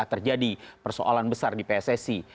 terjadi persoalan besar di pssi